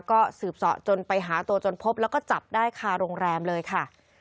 ก็สืบสอจนไปหาตัวจนพบแล้วก็จับได้คาโรงแรมเลยค่ะ